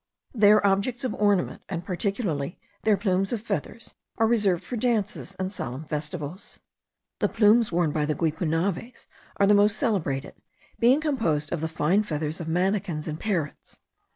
Their objects of ornament, and particularly their plumes of feathers, are reserved for dances and solemn festivals. The plumes worn by the Guipunaves* are the most celebrated; being composed of the fine feathers of manakins and parrots.